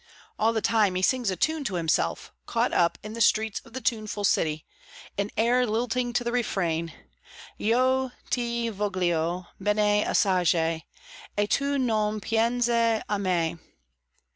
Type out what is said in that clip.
All the time he sings a tune to himself, caught up in the streets of the tuneful city; an air lilting to the refrain "Io ti voglio bene assaje E tu non pienz' a me!"